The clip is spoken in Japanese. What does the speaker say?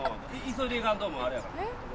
急いで行かんともうあれやから。